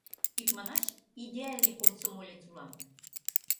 Икманаш, идеальный комсомолец улам...